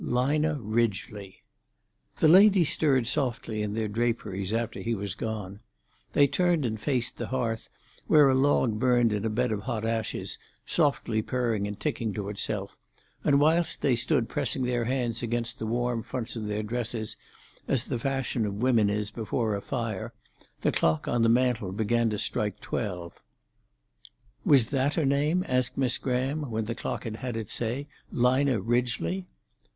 "Lina Ridgely." The ladies stirred softly in their draperies after he was gone. They turned and faced the hearth, where a log burned in a bed of hot ashes, softly purring and ticking to itself, and whilst they stood pressing their hands against the warm fronts of their dresses, as the fashion of women is before a fire, the clock on the mantel began to strike twelve. "Was that her name?" asked Miss Graham, when the clock had had its say. "Lina Ridgely?"